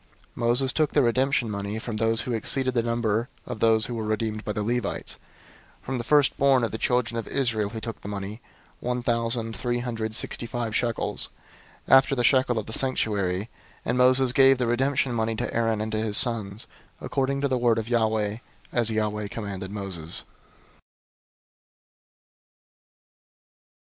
003:049 Moses took the redemption money from those who exceeded the number of those who were redeemed by the Levites; 003:050 from the firstborn of the children of Israel he took the money, one thousand three hundred sixty five shekels, after the shekel of the sanctuary: 003:051 and Moses gave the redemption money to Aaron and to his sons, according to the word of Yahweh, as Yahweh commanded Moses.